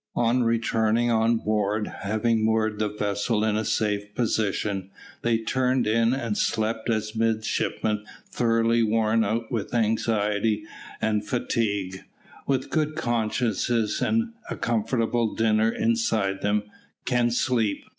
On returning on board, having moored the vessel in a safe position, they turned in and slept as midshipmen thoroughly worn out with anxiety and fatigue, with good consciences and a comfortable dinner inside them, can sleep.